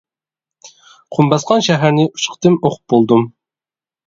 قۇم باسقان شەھەرنى ئۈچ قېتىم ئۇقۇپ بولدۇم.